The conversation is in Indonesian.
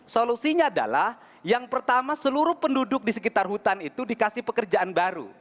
solusinya adalah yang pertama seluruh penduduk di sekitar hutan itu dikasih pekerjaan baru